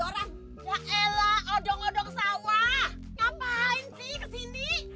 udah jadi udah sampai